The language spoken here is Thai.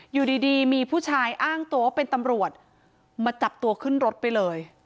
อยู่ดีมีผู้ชายอ้างตัวว่าเป็นตำรวจมาจับตัวขึ้นรถไปเลย